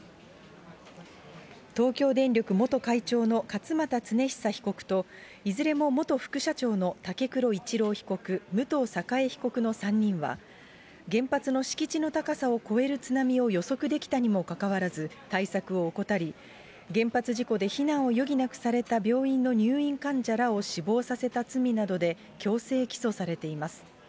東京電力元会長の勝俣恒久被告といずれも元副社長の武黒一郎被告、武藤栄被告の３人は、原発の敷地の高さを越える津波を予測できたにもかかわらず、対策を怠り、原発事故で非難を余儀なくされた病院の入院患者らを死亡させた罪などで強制起訴されています。